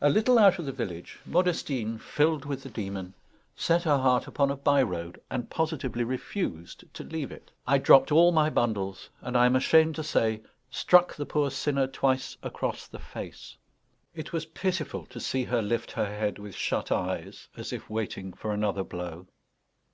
A little out of the village, Modestine, filled with the demon, set her heart upon a by road, and positively refused to leave it. I dropped all my bundles, and, I am ashamed to say, struck the poor sinner twice across the face. It was pitiful to see her lift her head with shut eyes, as if waiting for another blow.